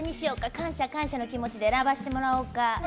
感謝、感謝の気持ちで選ばせてもらおうか。